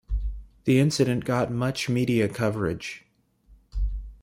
The incident got much media coverage.